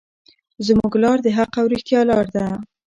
زموږ لار د حق او رښتیا لار ده.